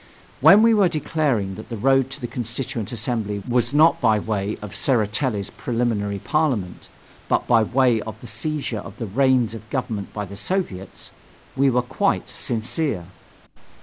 When we were declaring that the road to the Constituent Assembly was not by way of Tseretelli's Preliminary Parliament, but by way of the seizure of the reigns of government by the Soviets, we were quite sincere.